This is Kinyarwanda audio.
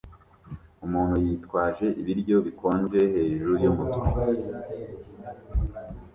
Umuntu yitwaje ibiryo bikonje hejuru yumutwe